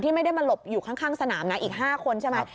ไม่ได้มาหลบอยู่ข้างสนามนะอีก๕คนใช่ไหม